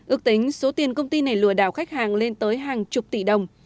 ước tính số tiền công ty này lừa đảo khách hàng lên tới hàng chục tỷ đồng